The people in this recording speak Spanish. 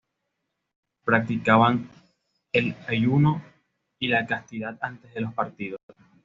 Practicaban el ayuno y la castidad antes de los partidos.